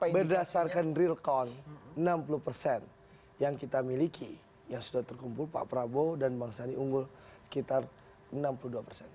berdasarkan real count enam puluh persen yang kita miliki yang sudah terkumpul pak prabowo dan bang sandi unggul sekitar enam puluh dua persen